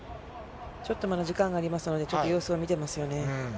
ちょっとまだ時間がありますので、ちょっと様子を見てますよね。